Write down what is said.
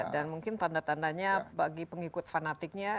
dan mungkin tanda tandanya bagi pengikut fanatiknya